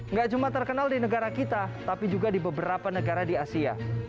nggak cuma terkenal di negara kita tapi juga di beberapa negara di asia